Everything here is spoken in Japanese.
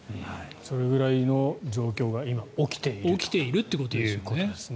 それぐらいの状況が今、起きているということです。